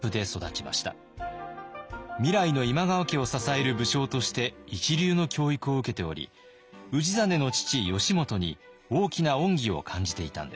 未来の今川家を支える武将として一流の教育を受けており氏真の父義元に大きな恩義を感じていたんです。